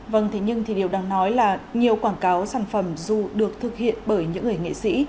vâng thế nhưng thì điều đáng nói là nhiều quảng cáo sản phẩm dù được thực hiện bởi những người nghệ sĩ